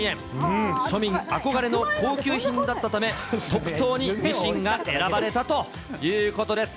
庶民憧れの高級品だったため、特等にミシンが選ばれたということです。